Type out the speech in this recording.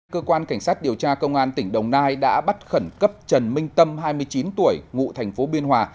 cơ quan cảnh sát điều tra công an tỉnh đồng nai đã bắt khẩn cấp trần minh tâm hai mươi chín tuổi ngụ thành phố biên hòa